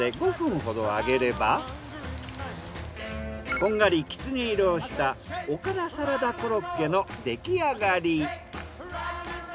こんがりきつね色をしたおからサラダコロッケの出来上がり。